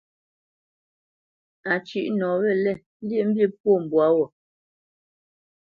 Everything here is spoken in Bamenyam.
A cʉ́ʼ nɔ wɛ̂lɛ̂, lyéʼmbî pwô mbwǎ wo.